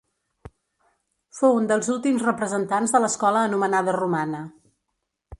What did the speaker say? Fou un dels últims representants de l'escola anomenada romana.